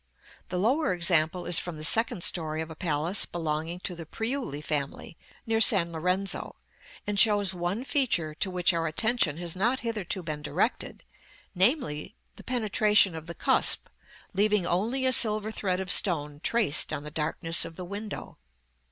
The lower example is from the second story of a palace belonging to the Priuli family, near San Lorenzo, and shows one feature to which our attention has not hitherto been directed, namely, the penetration of the cusp, leaving only a silver thread of stone traced on the darkness of the window.